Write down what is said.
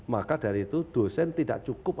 maka dari itu dosen tidak cukup